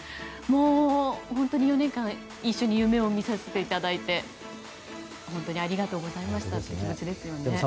もう本当に４年間一緒に夢を見させていただいて本当にありがとうございましたという気持ちですよね。